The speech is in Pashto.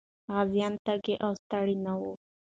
غازيان تږي او ستړي نه وو.